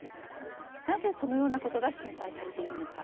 なぜそのようなことが心配されているのか。